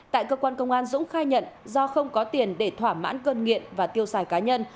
tại cơ quan công an dũng khai nhận do không có tiền để thỏa mãn cơn nghiện và tiêu xài cá nhân